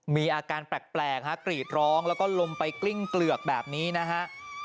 มีอาการแปลกฮะกรีดร้องแล้วก็ลงไปกลิ้งเกลือกแบบนี้นะฮะ